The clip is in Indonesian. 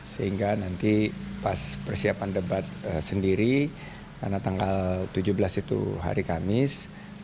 sehingga nanti pas persiapan debat sendiri karena tanggal tujuh belas itu hari kamis